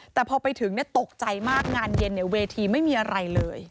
แต่พอไปถึงตกใจมากงานเย็นเวทีไม่มีอะไรเลย